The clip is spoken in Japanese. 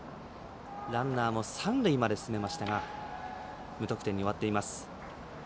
ランナーも三塁まで進めましたが無得点に終わっています。